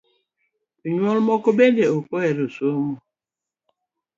Jonyuol moko bende ok ohero somo